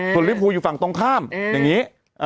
ส่วนลิภูอยู่ฝั่งตรงข้ามอย่างนี้